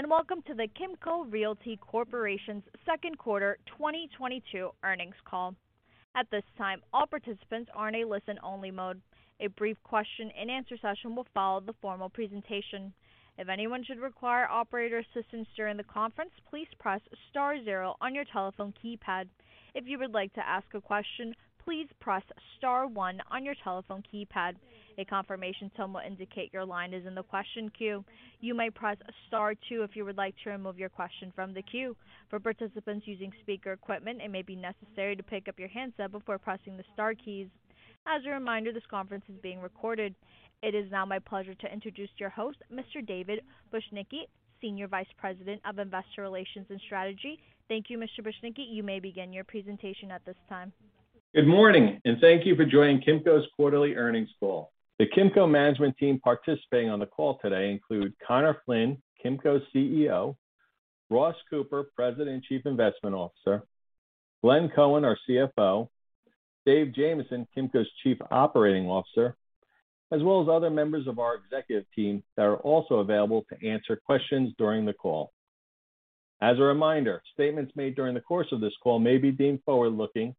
Greetings, and welcome to the Kimco Realty Corporation's second quarter 2022 earnings call. At this time, all participants are in a listen-only mode. A brief question and answer session will follow the formal presentation. If anyone should require operator assistance during the conference, please press star zero on your telephone keypad. If you would like to ask a question, please press star one on your telephone keypad. A confirmation tone will indicate your line is in the question queue. You may press star two if you would like to remove your question from the queue. For participants using speaker equipment, it may be necessary to pick up your handset before pressing the star keys. As a reminder, this conference is being recorded. It is now my pleasure to introduce your host, Mr. David Bujnicki, Senior Vice President of Investor Relations and Strategy. Thank you, Mr. Bujnicki. You may begin your presentation at this time. Good morning, and thank you for joining Kimco's quarterly earnings call. The Kimco management team participating on the call today include Conor Flynn, Kimco's CEO, Ross Cooper, President and Chief Investment Officer, Glenn Cohen, our CFO, Dave Jamieson, Kimco's Chief Operating Officer, as well as other members of our executive team that are also available to answer questions during the call. As a reminder, statements made during the course of this call may be deemed forward-looking,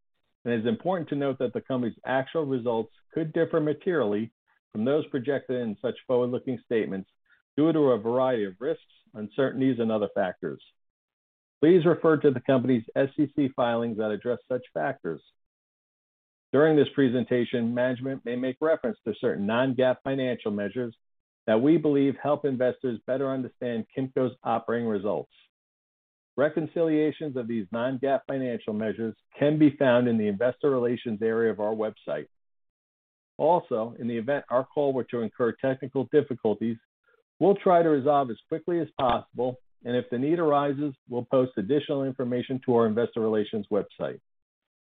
and it is important to note that the company's actual results could differ materially from those projected in such forward-looking statements due to a variety of risks, uncertainties, and other factors. Please refer to the company's SEC filings that address such factors. During this presentation, management may make reference to certain non-GAAP financial measures that we believe help investors better understand Kimco's operating results. Reconciliations of these non-GAAP financial measures can be found in the investor relations area of our website. Also, in the event our call were to incur technical difficulties, we'll try to resolve as quickly as possible, and if the need arises, we'll post additional information to our investor relations website.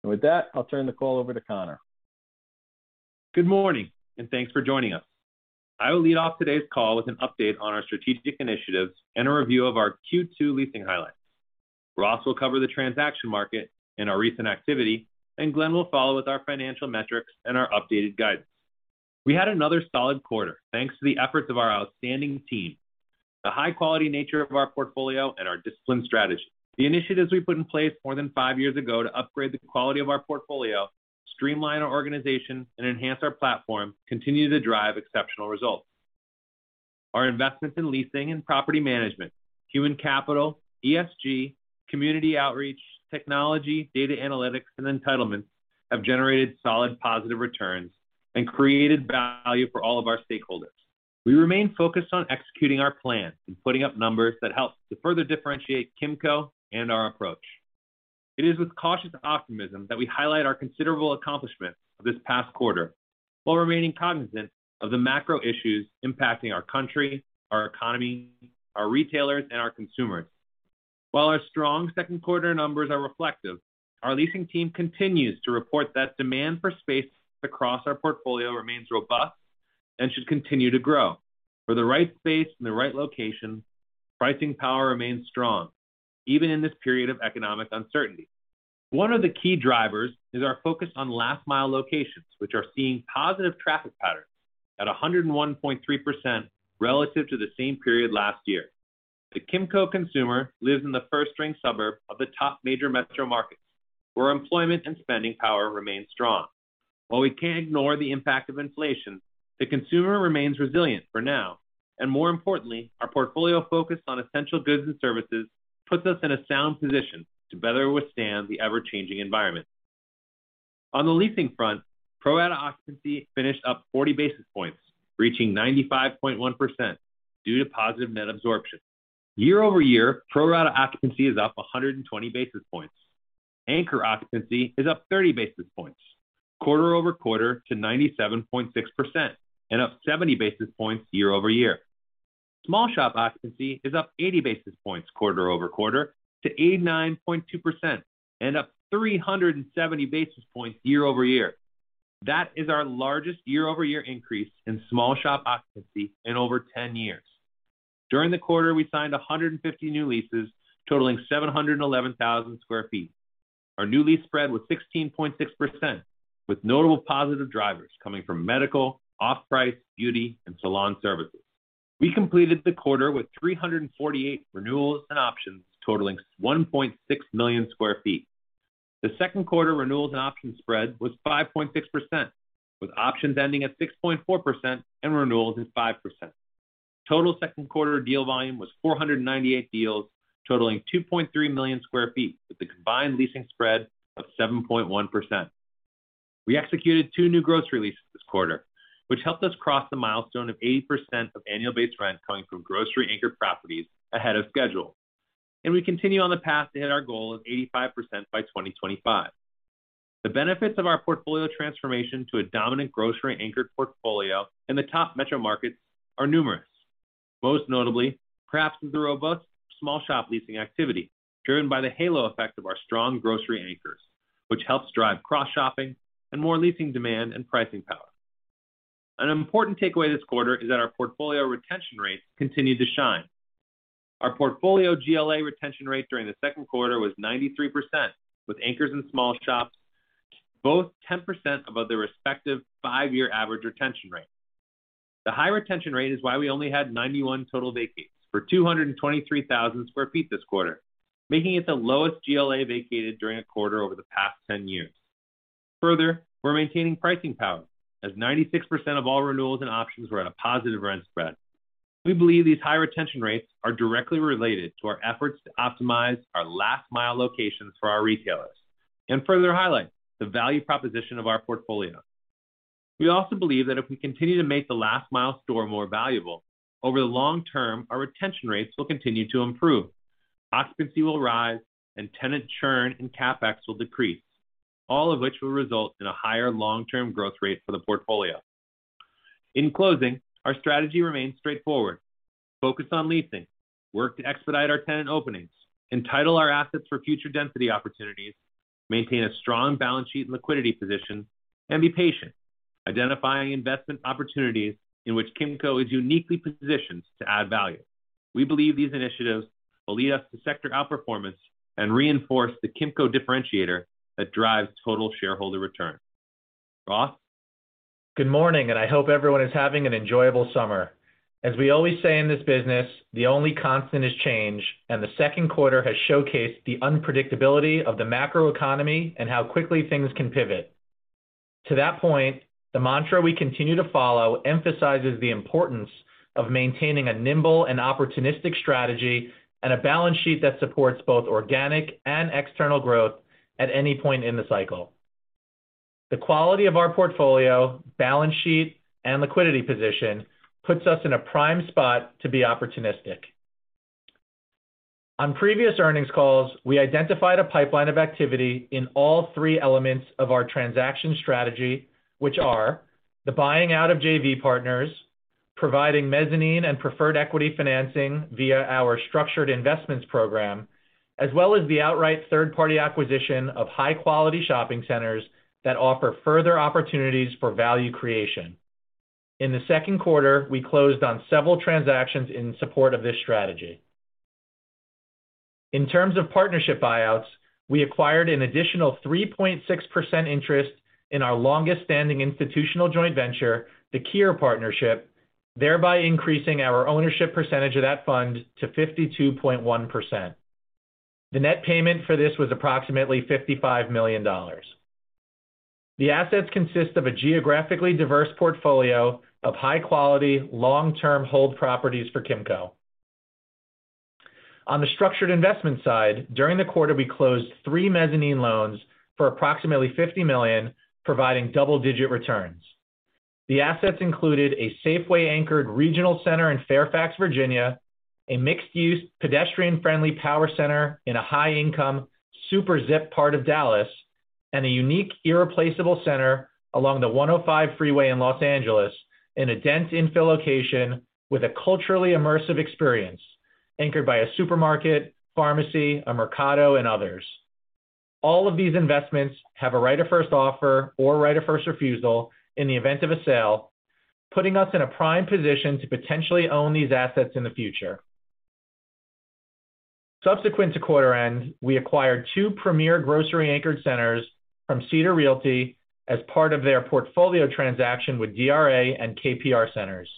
With that, I'll turn the call over to Conor. Good morning, and thanks for joining us. I will lead off today's call with an update on our strategic initiatives and a review of our Q2 leasing highlights. Ross will cover the transaction market and our recent activity, and Glenn will follow with our financial metrics and our updated guidance. We had another solid quarter thanks to the efforts of our outstanding team, the high-quality nature of our portfolio, and our disciplined strategy. The initiatives we put in place more than five years ago to upgrade the quality of our portfolio, streamline our organization, and enhance our platform continue to drive exceptional results. Our investments in leasing and property management, human capital, ESG, community outreach, technology, data analytics, and entitlements have generated solid positive returns and created value for all of our stakeholders. We remain focused on executing our plan and putting up numbers that help to further differentiate Kimco and our approach. It is with cautious optimism that we highlight our considerable accomplishments this past quarter while remaining cognizant of the macro issues impacting our country, our economy, our retailers, and our consumers. While our strong second quarter numbers are reflective, our leasing team continues to report that demand for space across our portfolio remains robust and should continue to grow. For the right space and the right location, pricing power remains strong, even in this period of economic uncertainty. One of the key drivers is our focus on last mile locations, which are seeing positive traffic patterns at 101.3% relative to the same period last year. The Kimco consumer lives in the first-ring suburb of the top major metro markets where employment and spending power remains strong. While we can't ignore the impact of inflation, the consumer remains resilient for now, and more importantly, our portfolio focus on essential goods and services puts us in a sound position to better withstand the ever-changing environment. On the leasing front, pro rata occupancy finished up 40 basis points, reaching 95.1% due to positive net absorption. Year-over-year, pro rata occupancy is up 120 basis points. Anchor occupancy is up 30 basis points quarter-over-quarter to 97.6% and up 70 basis points year-over-year. Small shop occupancy is up 80 basis points quarter-over-quarter to 89.2% and up 370 basis points year-over-year. That is our largest year-over-year increase in small shop occupancy in over ten years. During the quarter, we signed 150 new leases totaling 711,000 sq ft. Our new lease spread was 16.6%, with notable positive drivers coming from medical, off-price, beauty, and salon services. We completed the quarter with 348 renewals and options totaling 1.6 million sq ft. The second quarter renewals and options spread was 5.6%, with options ending at 6.4% and renewals at 5%. Total second quarter deal volume was 498 deals totaling 2.3 million sq ft, with a combined leasing spread of 7.1%. We executed 2 new grocery leases this quarter, which helped us cross the milestone of 80% of annual base rent coming from grocery anchored properties ahead of schedule. We continue on the path to hit our goal of 85% by 2025. The benefits of our portfolio transformation to a dominant grocery anchored portfolio in the top metro markets are numerous. Most notably, perhaps is the robust small shop leasing activity driven by the halo effect of our strong grocery anchors, which helps drive cross-shopping and more leasing demand and pricing power. An important takeaway this quarter is that our portfolio retention rates continue to shine. Our portfolio GLA retention rate during the second quarter was 93%, with anchors and small shops both 10% above their respective five-year average retention rate. The high retention rate is why we only had 91 total vacates for 223,000 sq ft this quarter, making it the lowest GLA vacated during a quarter over the past 10 years. Further, we're maintaining pricing power, as 96% of all renewals and options were at a positive rent spread. We believe these high retention rates are directly related to our efforts to optimize our last mile locations for our retailers and further highlight the value proposition of our portfolio. We also believe that if we continue to make the last mile store more valuable, over the long term, our retention rates will continue to improve. Occupancy will rise, and tenant churn and CapEx will decrease, all of which will result in a higher long-term growth rate for the portfolio. In closing, our strategy remains straightforward. Focus on leasing, work to expedite our tenant openings, entitle our assets for future density opportunities, maintain a strong balance sheet and liquidity position, and be patient, identifying investment opportunities in which Kimco is uniquely positioned to add value. We believe these initiatives will lead us to sector outperformance and reinforce the Kimco differentiator that drives total shareholder return. Ross? Good morning, and I hope everyone is having an enjoyable summer. As we always say in this business, the only constant is change, and the second quarter has showcased the unpredictability of the macroeconomy and how quickly things can pivot. To that point, the mantra we continue to follow emphasizes the importance of maintaining a nimble and opportunistic strategy and a balance sheet that supports both organic and external growth at any point in the cycle. The quality of our portfolio, balance sheet, and liquidity position puts us in a prime spot to be opportunistic. On previous earnings calls, we identified a pipeline of activity in all three elements of our transaction strategy, which are the buying out of JV partners, providing mezzanine and preferred equity financing via our structured investments program, as well as the outright third-party acquisition of high-quality shopping centers that offer further opportunities for value creation. In the second quarter, we closed on several transactions in support of this strategy. In terms of partnership buyouts, we acquired an additional 3.6% interest in our longest-standing institutional joint venture, the Kier Partnership, thereby increasing our ownership percentage of that fund to 52.1%. The net payment for this was approximately $55 million. The assets consist of a geographically diverse portfolio of high-quality, long-term hold properties for Kimco. On the structured investment side, during the quarter, we closed three mezzanine loans for approximately $50 million, providing double-digit returns. The assets included a Safeway-anchored regional center in Fairfax, Virginia, a mixed use, pedestrian-friendly power center in a high-income Super ZIP part of Dallas, and a unique, irreplaceable center along the 105 freeway in Los Angeles in a dense infill location with a culturally immersive experience anchored by a supermarket, pharmacy, a mercado, and others. All of these investments have a right of first offer or right of first refusal in the event of a sale, putting us in a prime position to potentially own these assets in the future. Subsequent to quarter end, we acquired two premier grocery-anchored centers from Cedar Realty as part of their portfolio transaction with DRA and KPR Centers.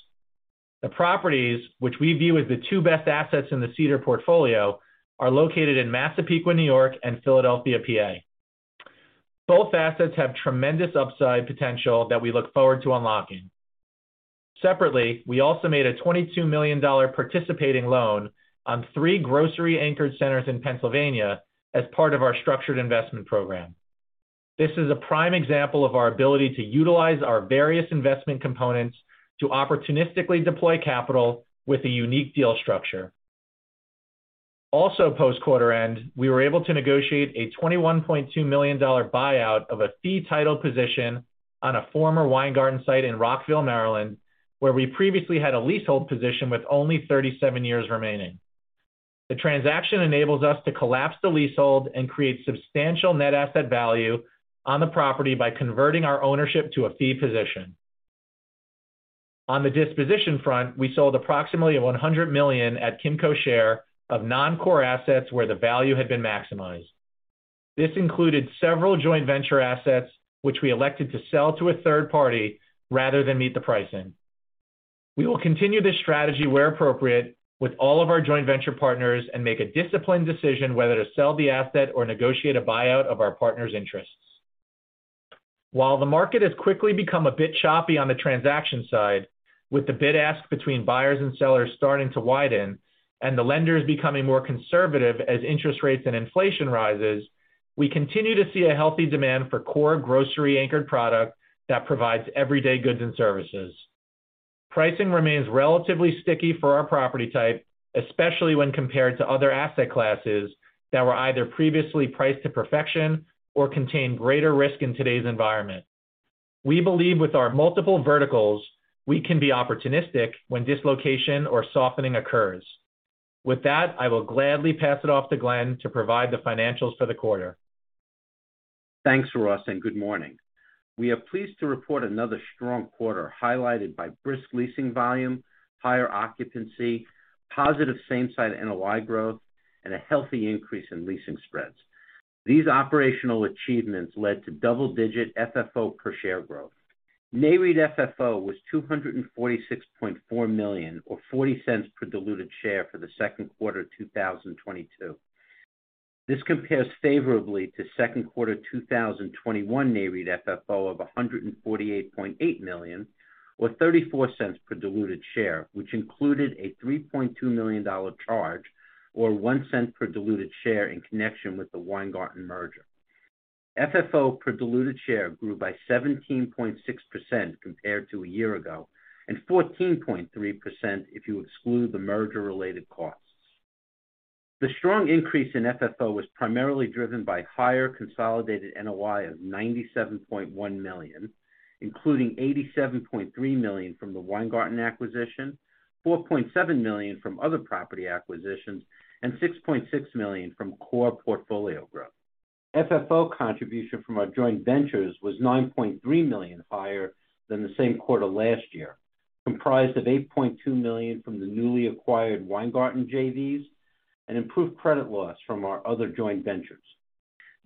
The properties, which we view as the two best assets in the Cedar portfolio, are located in Massapequa, New York, and Philadelphia, PA. Both assets have tremendous upside potential that we look forward to unlocking. Separately, we also made a $22 million participating loan on three grocery-anchored centers in Pennsylvania as part of our structured investment program. This is a prime example of our ability to utilize our various investment components to opportunistically deploy capital with a unique deal structure. Also post-quarter end, we were able to negotiate a $21.2 million buyout of a fee title position on a former Weingarten site in Rockville, Maryland, where we previously had a leasehold position with only 37 years remaining. The transaction enables us to collapse the leasehold and create substantial net asset value on the property by converting our ownership to a fee position. On the disposition front, we sold approximately $100 million at Kimco's share of non-core assets where the value had been maximized. This included several joint venture assets which we elected to sell to a third party rather than meet the pricing. We will continue this strategy where appropriate with all of our joint venture partners and make a disciplined decision whether to sell the asset or negotiate a buyout of our partner's interests. While the market has quickly become a bit choppy on the transaction side, with the bid ask between buyers and sellers starting to widen and the lenders becoming more conservative as interest rates and inflation rises, we continue to see a healthy demand for core grocery anchored product that provides everyday goods and services. Pricing remains relatively sticky for our property type, especially when compared to other asset classes that were either previously priced to perfection or contain greater risk in today's environment. We believe with our multiple verticals, we can be opportunistic when dislocation or softening occurs. With that, I will gladly pass it off to Glenn to provide the financials for the quarter. Thanks, Ross, and good morning. We are pleased to report another strong quarter highlighted by brisk leasing volume, higher occupancy, positive same-site NOI growth, and a healthy increase in leasing spreads. These operational achievements led to double-digit FFO per share growth. Nareit FFO was $246.4 million, or $0.40 per diluted share for the second quarter 2022. This compares favorably to second quarter 2021 Nareit FFO of $148.8 million, or $0.34 per diluted share, which included a $3.2 million charge, or $0.01 per diluted share in connection with the Weingarten merger. FFO per diluted share grew by 17.6% compared to a year ago, and 14.3% if you exclude the merger related costs. The strong increase in FFO was primarily driven by higher consolidated NOI of $97.1 million, including $87.3 million from the Weingarten acquisition, $4.7 million from other property acquisitions, and $6.6 million from core portfolio growth. FFO contribution from our joint ventures was $9.3 million higher than the same quarter last year, comprised of $8.2 million from the newly acquired Weingarten JVs and improved credit loss from our other joint ventures.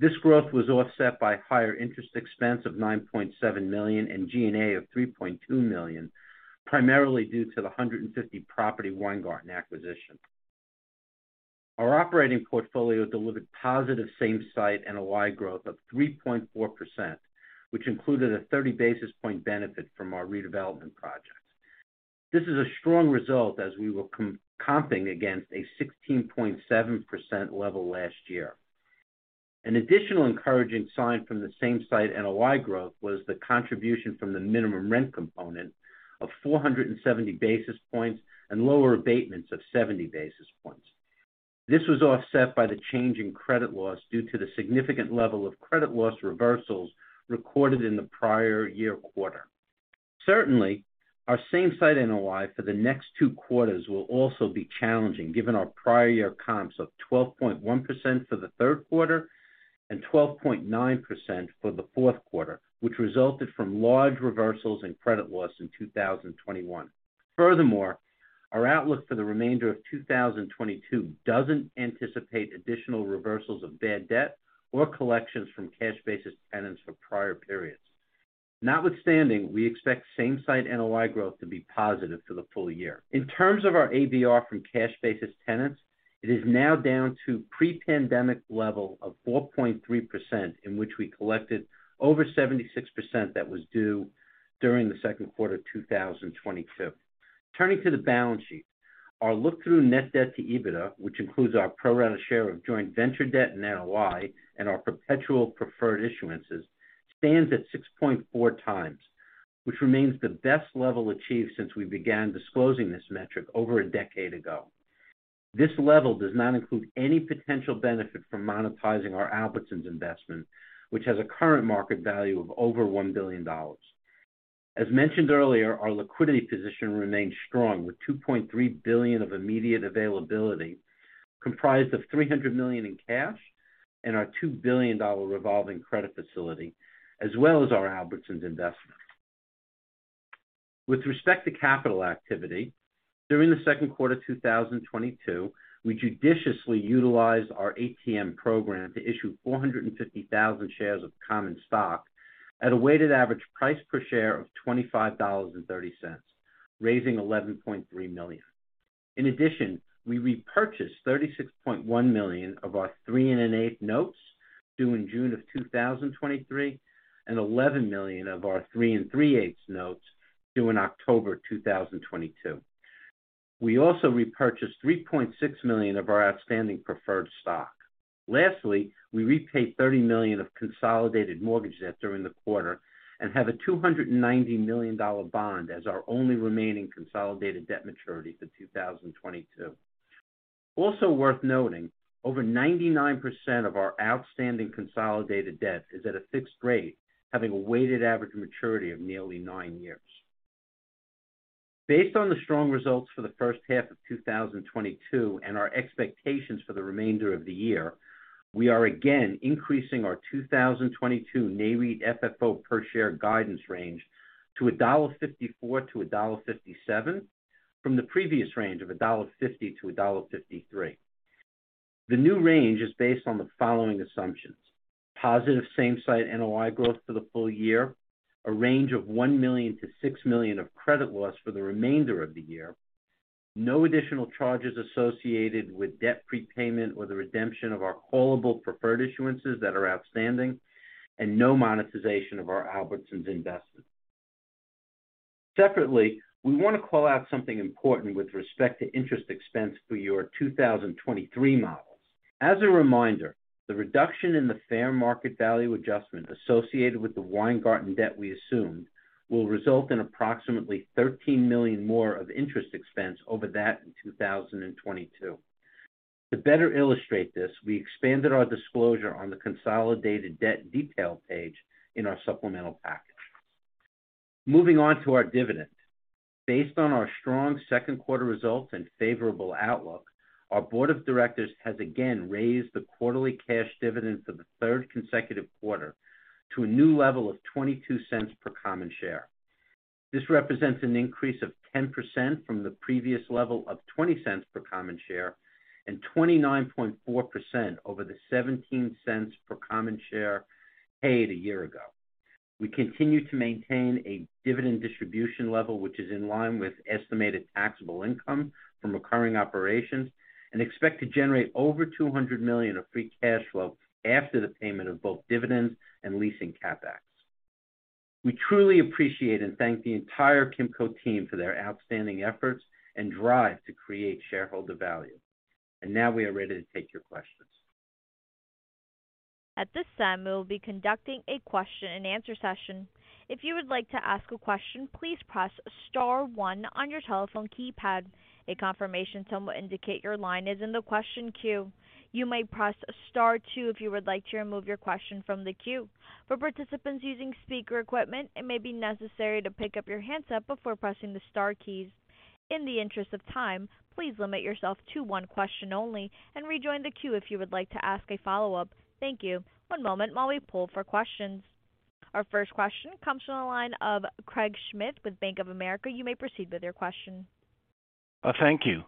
This growth was offset by higher interest expense of $9.7 million and G&A of $3.2 million, primarily due to the 150-property Weingarten acquisition. Our operating portfolio delivered positive same-site NOI growth of 3.4%, which included a 30 basis point benefit from our redevelopment projects. This is a strong result as we were comping against a 16.7% level last year. An additional encouraging sign from the same-site NOI growth was the contribution from the minimum rent component of 470 basis points and lower abatements of 70 basis points. This was offset by the change in credit loss due to the significant level of credit loss reversals recorded in the prior year quarter. Certainly, our same-site NOI for the next two quarters will also be challenging given our prior year comps of 12.1% for the third quarter and 12.9% for the fourth quarter, which resulted from large reversals in credit loss in 2021. Furthermore, our outlook for the remainder of 2022 doesn't anticipate additional reversals of bad debt or collections from cash basis tenants for prior periods. Notwithstanding, we expect same-site NOI growth to be positive for the full year. In terms of our ADR from cash basis tenants, it is now down to pre-pandemic level of 4.3%, in which we collected over 76% that was due during the second quarter of 2022. Turning to the balance sheet, our look-through net debt to EBITDA, which includes our pro rata share of joint venture debt and NOI and our perpetual preferred issuances, stands at 6.4x, which remains the best level achieved since we began disclosing this metric over a decade ago. This level does not include any potential benefit from monetizing our Albertsons investment, which has a current market value of over $1 billion. As mentioned earlier, our liquidity position remains strong, with $2.3 billion of immediate availability, comprised of $300 million in cash and our $2 billion revolving credit facility, as well as our Albertsons investment. With respect to capital activity, during the second quarter 2022, we judiciously utilized our ATM program to issue 450,000 shares of common stock at a weighted average price per share of $25.30, raising $11.3 million. In addition, we repurchased $36.1 million of our three and 1/8 notes due in June 2023, and $11 million of our three and 3/8 notes due in October 2022. We also repurchased 3.6 million of our outstanding preferred stock. Lastly, we repaid $30 million of consolidated mortgage debt during the quarter and have a $290 million bond as our only remaining consolidated debt maturity for 2022. Also worth noting, over 99% of our outstanding consolidated debt is at a fixed rate, having a weighted average maturity of nearly nine years. Based on the strong results for the first half of 2022 and our expectations for the remainder of the year, we are again increasing our 2022 Nareit FFO per share guidance range to $1.54-$1.57 from the previous range of $1.50-$1.53. The new range is based on the following assumptions: positive same-site NOI growth for the full year, a range of $1 million-$6 million of credit loss for the remainder of the year. No additional charges associated with debt prepayment or the redemption of our callable preferred issuances that are outstanding, and no monetization of our Albertsons investment. Separately, we want to call out something important with respect to interest expense for your 2023 models. As a reminder, the reduction in the fair market value adjustment associated with the Weingarten debt we assumed will result in approximately $13 million more of interest expense over that in 2022. To better illustrate this, we expanded our disclosure on the consolidated debt detail page in our supplemental packet. Moving on to our dividend. Based on our strong second quarter results and favorable outlook, our board of directors has again raised the quarterly cash dividend for the third consecutive quarter to a new level of $0.22 per common share. This represents an increase of 10% from the previous level of $0.20 per common share and 29.4% over the $0.17 per common share paid a year ago. We continue to maintain a dividend distribution level, which is in line with estimated taxable income from recurring operations, and expect to generate over $200 million of free cash flow after the payment of both dividends and leasing CapEx. We truly appreciate and thank the entire Kimco team for their outstanding efforts and drive to create shareholder value. Now we are ready to take your questions. At this time, we will be conducting a question and answer session. If you would like to ask a question, please press star one on your telephone keypad. A confirmation tone will indicate your line is in the question queue. You may press star two if you would like to remove your question from the queue. For participants using speaker equipment, it may be necessary to pick up your handset before pressing the star keys. In the interest of time, please limit yourself to one question only and rejoin the queue if you would like to ask a follow-up. Thank you. One moment while we pull for questions. Our first question comes from the line of Craig Schmidt with Bank of America. You may proceed with your question. Thank you.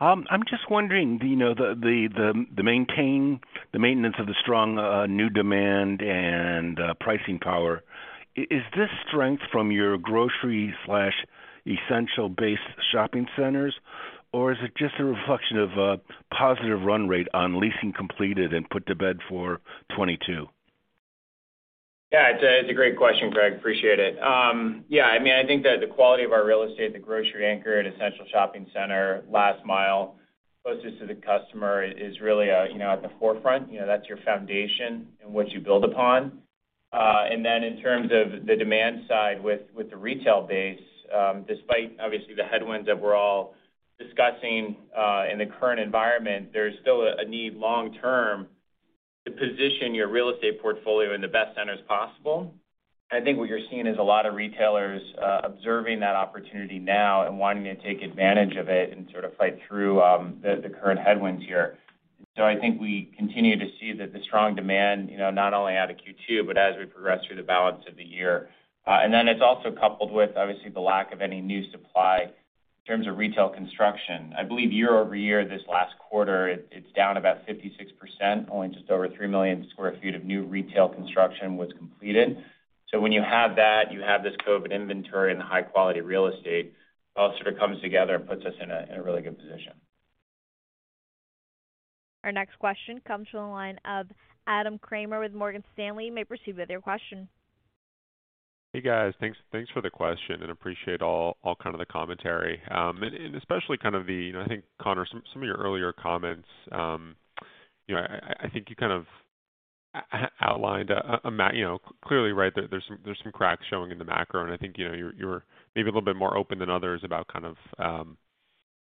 I'm just wondering, do you know the maintenance of the strong new demand and pricing power, is this strength from your grocery/essential base shopping centers, or is it just a reflection of a positive run rate on leasing completed and put to bed for 2022? Yeah, it's a great question, Craig. Appreciate it. Yeah, I mean, I think that the quality of our real estate, the grocery-anchored essential shopping centers, last mile, closest to the customer is really, you know, at the forefront. You know, that's your foundation and what you build upon. Then in terms of the demand side with the retail base, despite obviously the headwinds that we're all discussing in the current environment, there's still a need long term to position your real estate portfolio in the best centers possible. I think what you're seeing is a lot of retailers observing that opportunity now and wanting to take advantage of it and sort of fight through the current headwinds here. I think we continue to see that the strong demand, you know, not only out of Q2, but as we progress through the balance of the year. And then it's also coupled with, obviously, the lack of any new supply in terms of retail construction. I believe year-over-year, this last quarter, it's down about 56%. Only just over three million sq ft of new retail construction was completed. When you have that, you have this COVID inventory and high-quality real estate, it all sort of comes together and puts us in a really good position. Our next question comes from the line of Adam Kramer with Morgan Stanley. You may proceed with your question. Hey, guys. Thanks for the question, and appreciate all kind of the commentary and especially, I think, Conor, some of your earlier comments, you know, I think you kind of outlined, you know, clearly right there's some cracks showing in the macro, and I think, you know, you're maybe a little bit more open than others about kind of,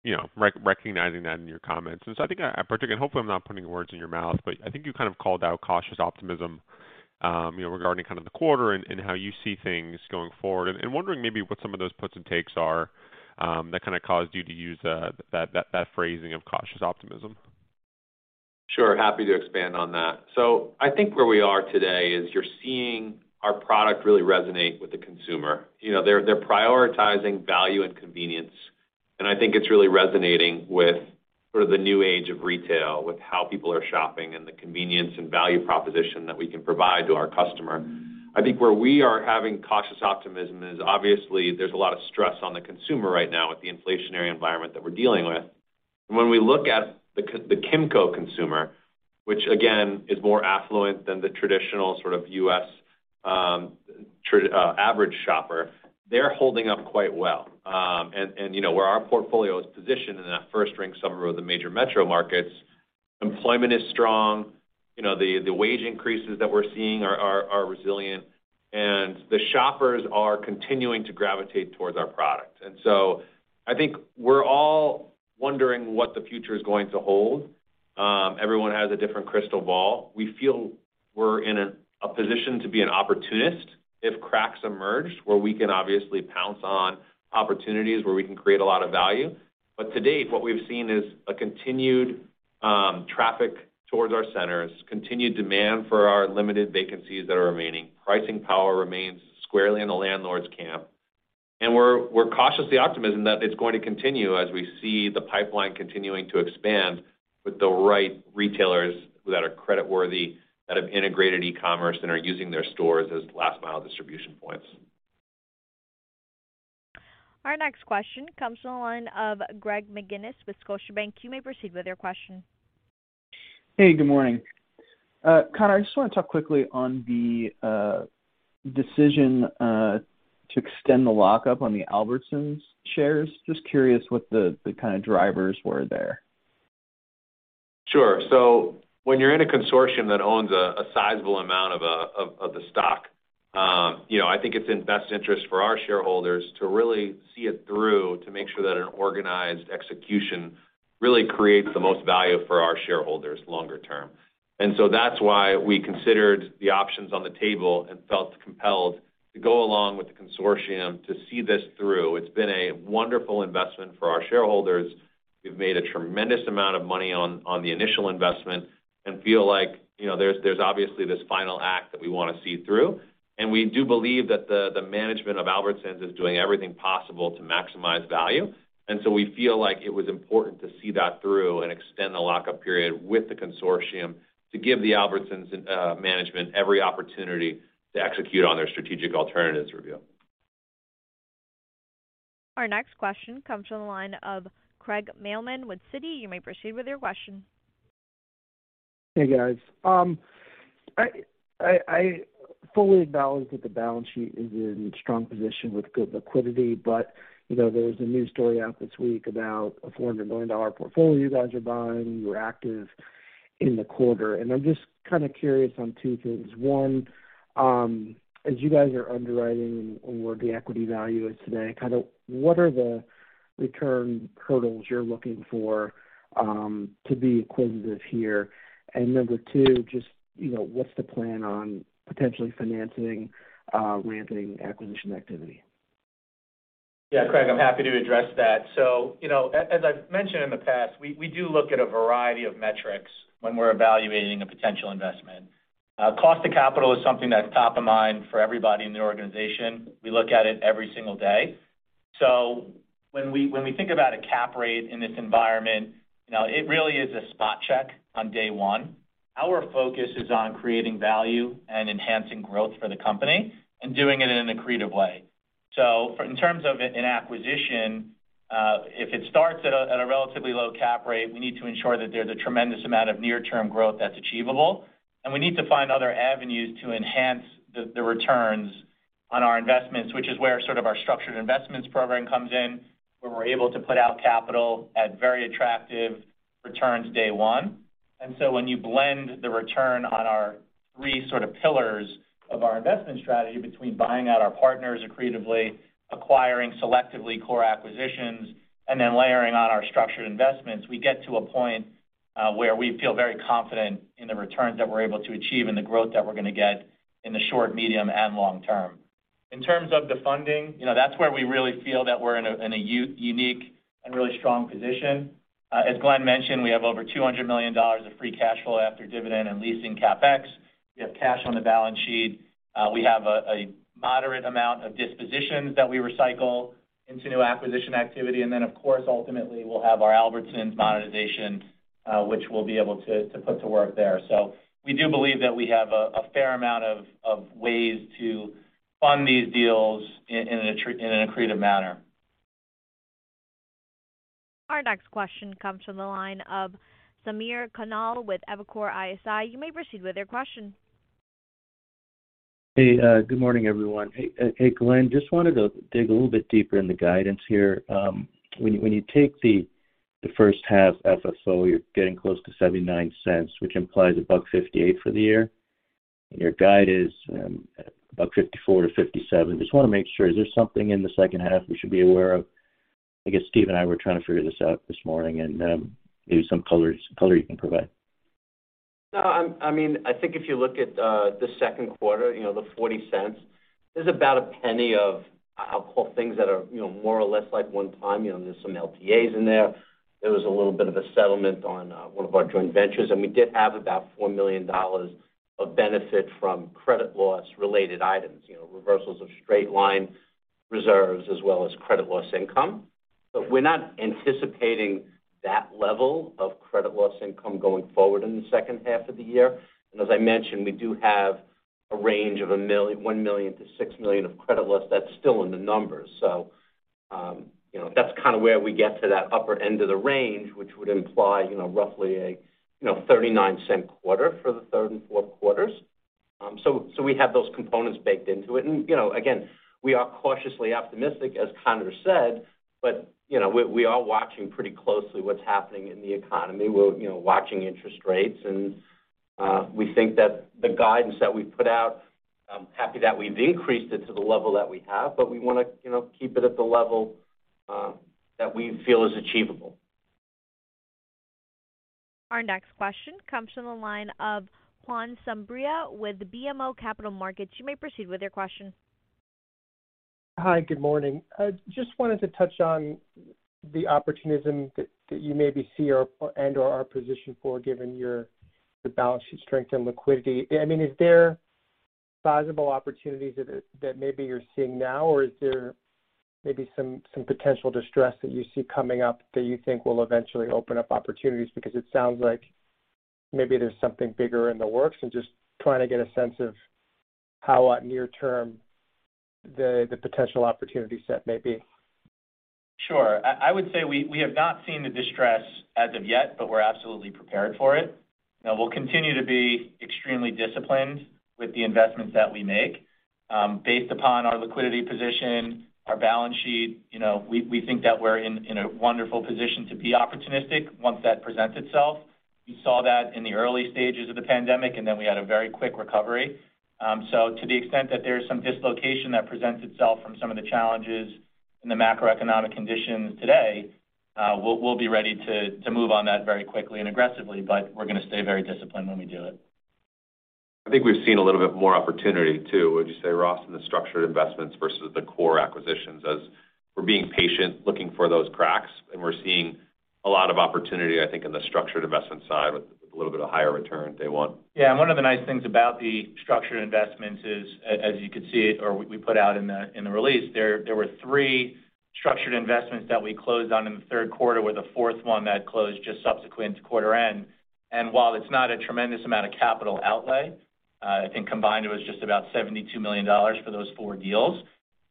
you know, recognizing that in your comments. I think I particularly, hopefully, I'm not putting words in your mouth, but I think you kind of called out cautious optimism, you know, regarding kind of the quarter and how you see things going forward and wondering maybe what some of those puts and takes are, that kind of caused you to use, that phrasing of cautious optimism? Sure. Happy to expand on that. I think where we are today is you're seeing our product really resonate with the consumer. You know, they're prioritizing value and convenience, and I think it's really resonating with sort of the new age of retail, with how people are shopping and the convenience and value proposition that we can provide to our customer. I think where we are having cautious optimism is obviously there's a lot of stress on the consumer right now with the inflationary environment that we're dealing with. When we look at the Kimco consumer, which again, is more affluent than the traditional sort of U.S. average shopper, they're holding up quite well. You know, where our portfolio is positioned in that first ring suburb of the major metro markets, employment is strong. You know, the wage increases that we're seeing are resilient, and the shoppers are continuing to gravitate towards our product. I think we're all wondering what the future is going to hold. Everyone has a different crystal ball. We feel we're in a position to be an opportunist if cracks emerge, where we can obviously pounce on opportunities where we can create a lot of value. But to date, what we've seen is a continued traffic towards our centers, continued demand for our limited vacancies that are remaining. Pricing power remains squarely in the landlord's camp. We're cautiously optimism that it's going to continue as we see the pipeline continuing to expand with the right retailers that are credit worthy, that have integrated e-commerce, and are using their stores as last mile distribution points. Our next question comes from the line of Greg McGinniss with Scotiabank. You may proceed with your question. Hey, good morning. Conor, I just want to talk quickly on the decision to extend the lockup on the Albertsons shares. Just curious what the kind of drivers were there. Sure. When you're in a consortium that owns a sizable amount of the stock, you know, I think it's in best interest for our shareholders to really see it through to make sure that an organized execution. Really creates the most value for our shareholders longer term. That's why we considered the options on the table and felt compelled to go along with the consortium to see this through. It's been a wonderful investment for our shareholders. We've made a tremendous amount of money on the initial investment and feel like, you know, there's obviously this final act that we wanna see through. We do believe that the management of Albertsons is doing everything possible to maximize value. We feel like it was important to see that through and extend the lockup period with the consortium to give the Albertsons management every opportunity to execute on their strategic alternatives review. Our next question comes from the line of Craig Mailman with Citi. You may proceed with your question. Hey, guys. I fully acknowledge that the balance sheet is in strong position with good liquidity, but, you know, there was a news story out this week about a $400 million portfolio you guys are buying. You were active in the quarter. I'm just kinda curious on two things. One, as you guys are underwriting and where the equity value is today, kinda what are the return hurdles you're looking for to be acquisitive here? Number two, just, you know, what's the plan on potentially financing ramping acquisition activity? Yeah, Craig, I'm happy to address that. You know, as I've mentioned in the past, we do look at a variety of metrics when we're evaluating a potential investment. Cost of capital is something that's top of mind for everybody in the organization. We look at it every single day. When we think about a cap rate in this environment, you know, it really is a spot check on day one. Our focus is on creating value and enhancing growth for the company and doing it in an accretive way. In terms of an acquisition, if it starts at a relatively low cap rate, we need to ensure that there's a tremendous amount of near-term growth that's achievable, and we need to find other avenues to enhance the returns on our investments, which is where sort of our structured investments program comes in, where we're able to put out capital at very attractive returns day one. When you blend the return on our three sort of pillars of our investment strategy between buying out our partners accretively, acquiring selectively core acquisitions, and then layering on our structured investments, we get to a point where we feel very confident in the returns that we're able to achieve and the growth that we're gonna get in the short, medium, and long term. In terms of the funding, you know, that's where we really feel that we're in a unique and really strong position. As Glenn mentioned, we have over $200 million of free cash flow after dividend and leasing CapEx. We have cash on the balance sheet. We have a moderate amount of dispositions that we recycle into new acquisition activity. Of course, ultimately, we'll have our Albertsons monetization, which we'll be able to put to work there. We do believe that we have a fair amount of ways to fund these deals in an accretive manner. Our next question comes from the line of Samir Khanal with Evercore ISI. You may proceed with your question. Hey, good morning, everyone. Hey, Glenn, just wanted to dig a little bit deeper in the guidance here. When you take the first half FFO, you're getting close to $0.79, which implies $1.58 for the year. Your guide is $1.54-$1.57. Just wanna make sure, is there something in the second half we should be aware of? I guess Steve and I were trying to figure this out this morning, and maybe some color you can provide. No, I mean, I think if you look at the second quarter, you know, the $0.40, there's about $0.01 of, I'll call things that are, you know, more or less like one-time. You know, there's some LTAs in there. There was a little bit of a settlement on one of our joint ventures, and we did have about $4 million of benefit from credit loss-related items, you know, reversals of straight-line reserves as well as credit loss income. But we're not anticipating that level of credit loss income going forward in the second half of the year. As I mentioned, we do have a range of $1 million-$6 million of credit loss that's still in the numbers. You know, that's kinda where we get to that upper end of the range, which would imply, you know, roughly a $0.39 quarter for the third and fourth quarters. We have those components baked into it. You know, again, we are cautiously optimistic, as Conor said, but, you know, we are watching pretty closely what's happening in the economy. We're, you know, watching interest rates, and we think that the guidance that we put out. I'm happy that we've increased it to the level that we have, but we wanna, you know, keep it at the level that we feel is achievable. Our next question comes from the line of Juan Sanabria with BMO Capital Markets. You may proceed with your question. Hi, good morning. I just wanted to touch on the opportunism that you maybe see or, and/or are positioned for given the balance sheet strength and liquidity. I mean, is there sizable opportunities that maybe you're seeing now, or is there maybe some potential distress that you see coming up that you think will eventually open up opportunities? Because it sounds like maybe there's something bigger in the works. I'm just trying to get a sense of how near-term the potential opportunity set may be. Sure. I would say we have not seen the distress as of yet, but we're absolutely prepared for it. Now we'll continue to be extremely disciplined with the investments that we make, based upon our liquidity position, our balance sheet. You know, we think that we're in a wonderful position to be opportunistic once that presents itself. We saw that in the early stages of the pandemic, and then we had a very quick recovery. To the extent that there is some dislocation that presents itself from some of the challenges in the macroeconomic conditions today, we'll be ready to move on that very quickly and aggressively, but we're gonna stay very disciplined when we do it. I think we've seen a little bit more opportunity too. Would you say, Ross, in the structured investments versus the core acquisitions as we're being patient looking for those cracks, and we're seeing a lot of opportunity, I think, in the structured investment side with a little bit of higher return day one. Yeah. One of the nice things about the structured investments is as you could see or we put out in the release, there were three structured investments that we closed on in the third quarter, with a fourth one that closed just subsequent to quarter end. While it's not a tremendous amount of capital outlay, I think combined it was just about $72 million for those four deals,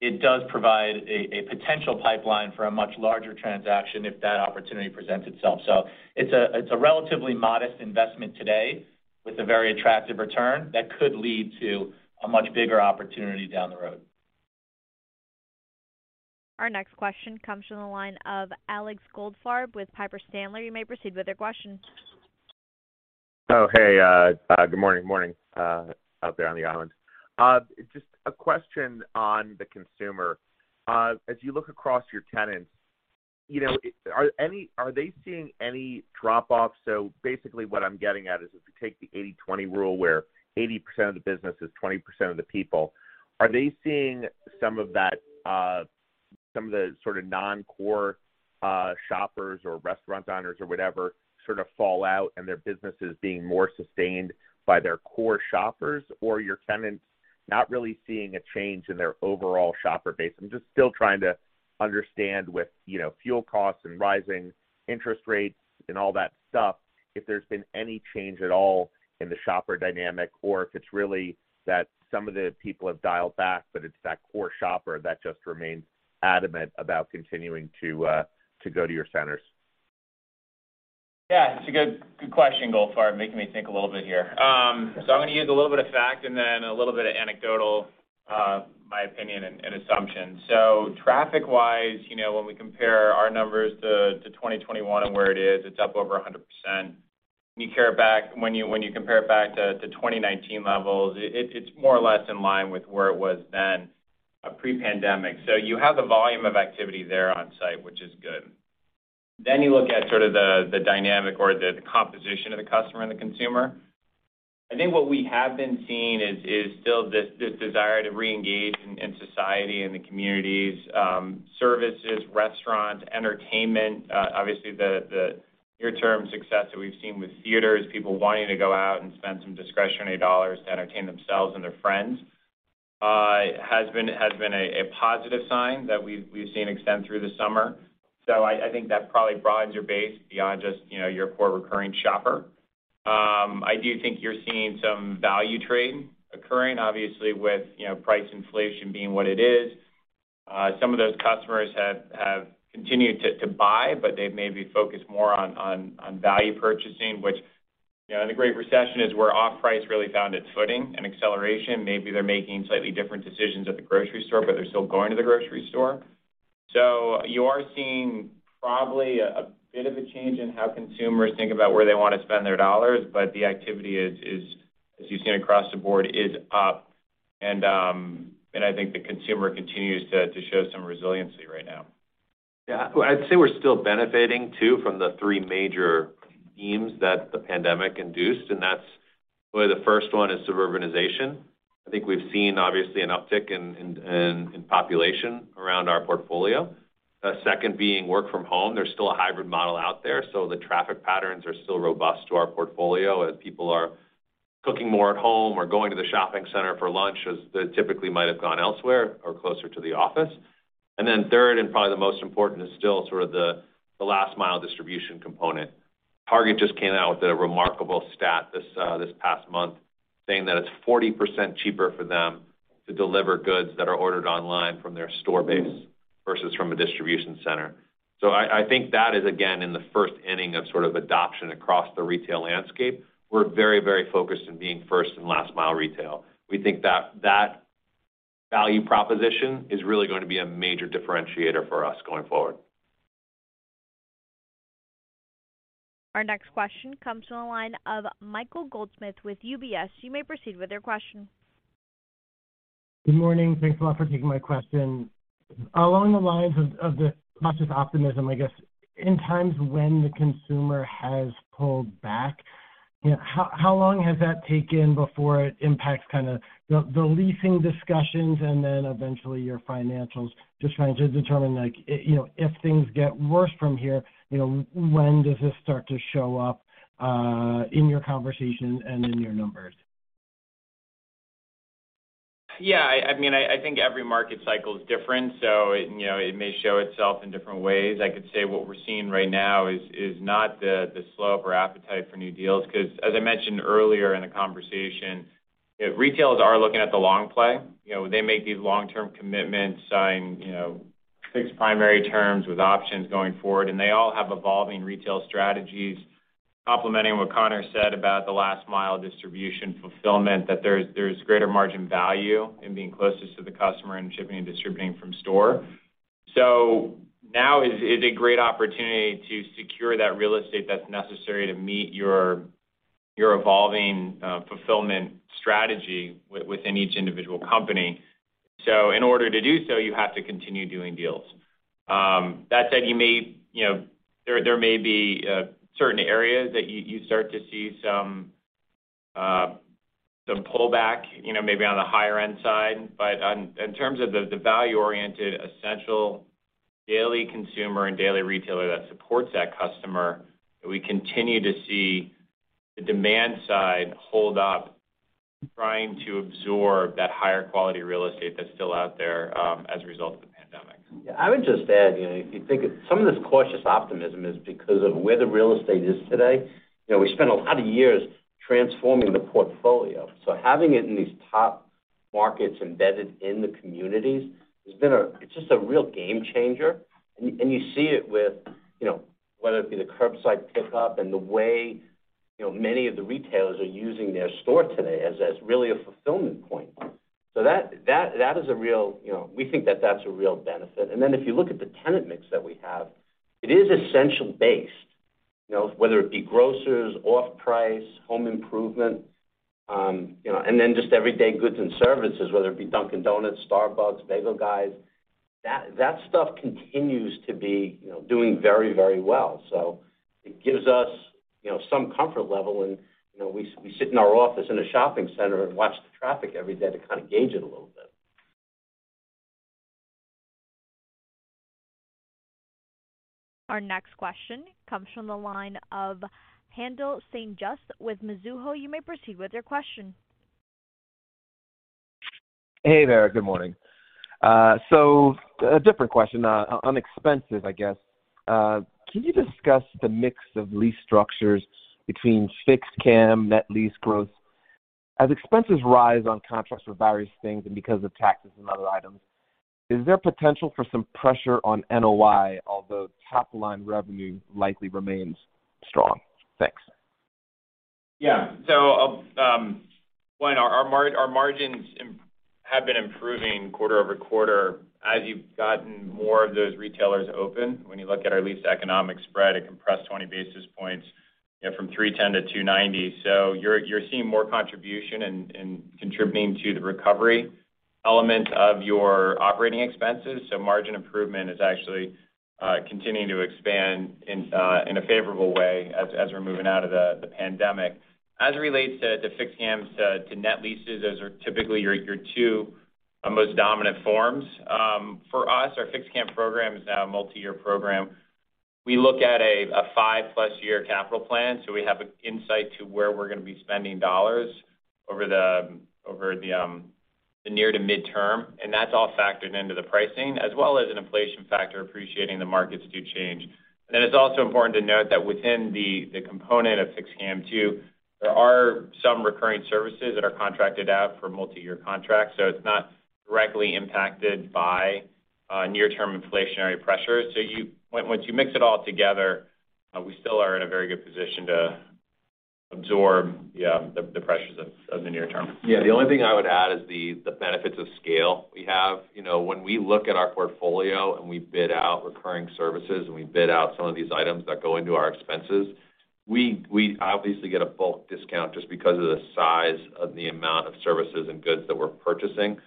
it does provide a potential pipeline for a much larger transaction if that opportunity presents itself. It's a relatively modest investment today with a very attractive return that could lead to a much bigger opportunity down the road. Our next question comes from the line of Alex Goldfarb with Piper Sandler. You may proceed with your question. Good morning. Morning out there on the island. Just a question on the consumer. As you look across your tenants, you know, are they seeing any drop off? Basically what I'm getting at is if you take the 80/20 rule where 80% of the business is 20% of the people, are they seeing some of that, some of the sort of non-core shoppers or restaurant owners or whatever sort of fall out and their businesses being more sustained by their core shoppers or your tenants not really seeing a change in their overall shopper base? I'm just still trying to understand with, you know, fuel costs and rising interest rates and all that stuff, if there's been any change at all in the shopper dynamic or if it's really that some of the people have dialed back, but it's that core shopper that just remains adamant about continuing to go to your centers. Yeah. It's a good question, Goldfarb. Making me think a little bit here. I'm gonna use a little bit of fact and then a little bit of anecdotal, my opinion and assumption. Traffic-wise, you know, when we compare our numbers to 2021 and where it is, it's up over 100%. When you compare it back to 2019 levels, it's more or less in line with where it was then, pre-pandemic. You have the volume of activity there on site, which is good. You look at sort of the dynamic or the composition of the customer and the consumer. I think what we have been seeing is still this desire to reengage in society and the communities, services, restaurants, entertainment. Obviously the near-term success that we've seen with theaters, people wanting to go out and spend some discretionary dollars to entertain themselves and their friends, has been a positive sign that we've seen extend through the summer. I think that probably broadens your base beyond just, you know, your core recurring shopper. I do think you're seeing some value trading occurring obviously with, you know, price inflation being what it is. Some of those customers have continued to buy, but they've maybe focused more on value purchasing, which, you know, in the great recession is where off-price really found its footing and acceleration. Maybe they're making slightly different decisions at the grocery store, but they're still going to the grocery store. You are seeing probably a bit of a change in how consumers think about where they want to spend their dollars, but the activity is, as you've seen across the board, up. I think the consumer continues to show some resiliency right now. Yeah. Well, I'd say we're still benefiting too from the three major themes that the pandemic induced, and that's where the first one is suburbanization. I think we've seen obviously an uptick in population around our portfolio. Second being work from home. There's still a hybrid model out there, so the traffic patterns are still robust to our portfolio as people are cooking more at home or going to the shopping center for lunch as they typically might have gone elsewhere or closer to the office. Third, and probably the most important is still the last mile distribution component. Target just came out with a remarkable stat this past month saying that it's 40% cheaper for them to deliver goods that are ordered online from their store base versus from a distribution center. I think that is again in the first inning of sort of adoption across the retail landscape. We're very, very focused on being first and last mile retail. We think that value proposition is really going to be a major differentiator for us going forward. Our next question comes from the line of Michael Goldsmith with UBS. You may proceed with your question. Good morning. Thanks a lot for taking my question. Along the lines of the cautious optimism, I guess in times when the consumer has pulled back, you know, how long has that taken before it impacts kind of the leasing discussions and then eventually your financials? Just trying to determine like, you know, if things get worse from here, you know, when does this start to show up in your conversations and in your numbers? Yeah. I mean, I think every market cycle is different, so you know, it may show itself in different ways. I could say what we're seeing right now is not the slope or appetite for new deals because as I mentioned earlier in the conversation, you know, retailers are looking at the long play. You know, they make these long-term commitments, sign you know, fixed primary terms with options going forward, and they all have evolving retail strategies. Complementing what Conor said about the last mile distribution fulfillment, that there's greater margin value in being closest to the customer and shipping and distributing from store. Now is a great opportunity to secure that real estate that's necessary to meet your evolving fulfillment strategy within each individual company. In order to do so, you have to continue doing deals. That said, you may you know, there may be certain areas that you start to see some pullback, you know, maybe on the higher end side. In terms of the value-oriented essential daily consumer and daily retailer that supports that customer, we continue to see the demand side hold up, trying to absorb that higher quality real estate that's still out there, as a result of the pandemic. Yeah. I would just add, you know, if you think of some of this cautious optimism is because of where the real estate is today. You know, we spent a lot of years transforming the portfolio. Having it in these top markets embedded in the communities has been. It's just a real game changer. You see it with, you know, whether it be the curbside pickup and the way, you know, many of the retailers are using their store today as really a fulfillment point. That is a real, you know, we think that that's a real benefit. If you look at the tenant mix that we have, it is essentially based, you know, whether it be grocers, off-price, home improvement, you know, and then just everyday goods and services, whether it be Dunkin' Donuts, Starbucks, Bagel Guys, that stuff continues to be, you know, doing very, very well. It gives us, you know, some comfort level and, you know, we sit in our office in a shopping center and watch the traffic every day to kind of gauge it a little bit. Our next question comes from the line of Haendel St. Juste with Mizuho. You may proceed with your question. Hey there. Good morning. A different question, on expenses, I guess. Can you discuss the mix of lease structures between fixed CAM, net lease growth? As expenses rise on contracts for various things and because of taxes and other items, is there potential for some pressure on NOI, although top line revenue likely remains strong? Thanks. Yeah. Our margins have been improving quarter-over-quarter as you've gotten more of those retailers open. When you look at our lease economic spread, it compressed 20 basis points, you know, from 310 to 290. You're seeing more contribution and contributing to the recovery element of your operating expenses. Margin improvement is actually continuing to expand in a favorable way as we're moving out of the pandemic. As it relates to fixed CAMs to net leases, those are typically your two most dominant forms. For us, our fixed CAM program is now a multi-year program. We look at a five plus year capital plan, so we have insight into where we're gonna be spending dollars over the near- to midterm, and that's all factored into the pricing as well as an inflation factor appreciating that the markets do change. Then it's also important to note that within the component of fixed CAM too, there are some recurring services that are contracted out for multi-year contracts, so it's not directly impacted by near-term inflationary pressures. Once you mix it all together, we still are in a very good position to absorb the pressures of the near term. Yeah. The only thing I would add is the benefits of scale we have. You know, when we look at our portfolio and we bid out recurring services and we bid out some of these items that go into our expenses, we obviously get a bulk discount just because of the size of the amount of services and goods that we're purchasing.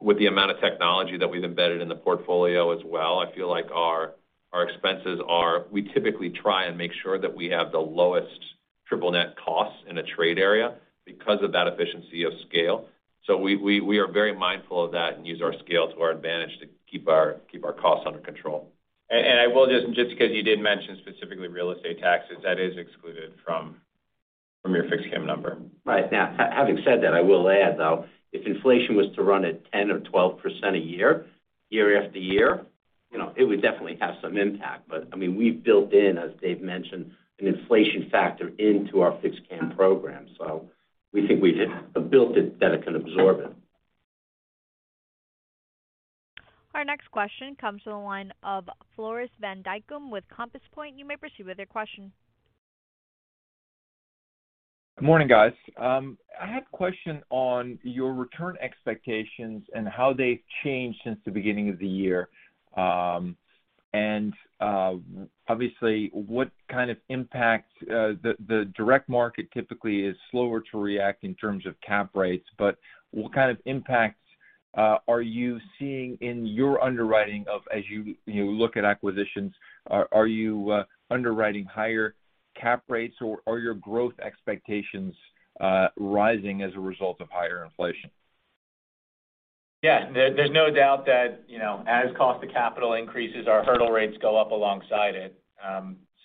With the amount of technology that we've embedded in the portfolio as well, I feel like our expenses are, we typically try and make sure that we have the lowest triple net costs in a trade area because of that efficiency of scale. We are very mindful of that and use our scale to our advantage to keep our costs under control. I will just 'cause you did mention specifically real estate taxes, that is excluded from your fixed CAM number. Right. Now, having said that, I will add, though, if inflation was to run at 10% or 12% a year after year, you know, it would definitely have some impact. I mean, we've built in, as Dave mentioned, an inflation factor into our fixed CAM program. We think we've built it that it can absorb it. Our next question comes from the line of Floris van Dijkum with Compass Point. You may proceed with your question. Good morning, guys. I had a question on your return expectations and how they've changed since the beginning of the year. Obviously, what kind of impact the direct market typically is slower to react in terms of cap rates, but what kind of impacts are you seeing in your underwriting as you look at acquisitions? Are you underwriting higher cap rates or are your growth expectations rising as a result of higher inflation? Yeah. There's no doubt that, you know, as cost of capital increases, our hurdle rates go up alongside it.